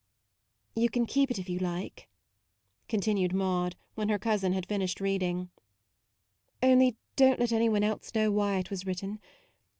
" You can keep it if you like," continued Maude, when her cousin had finished reading :" Only do n't let any one else know why it was written.